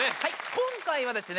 今回はですね